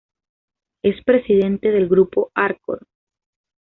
Es presidente del grupo Arcor.